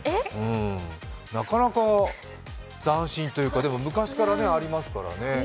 なかなか斬新というか、でも昔からありますからね。